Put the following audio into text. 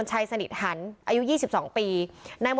สวัสดีครับ